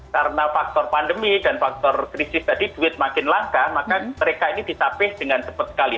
karena faktor pandemi dan faktor krisis tadi duit makin langka maka mereka ini disapih dengan cepat sekali